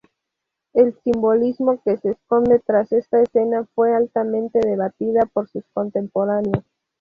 El simbolismo que se esconde tras esta escena fue altamente debatida por sus contemporáneos.